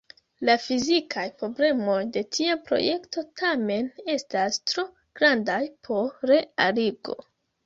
La fizikaj problemoj de tia projekto tamen estas tro grandaj por realigo.